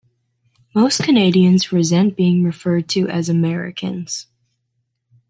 Most Canadians resent being referred to as "Americans".